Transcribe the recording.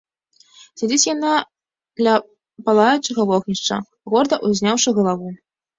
Сядзіць яна ля палаючага вогнішча, горда ўзняўшы галаву.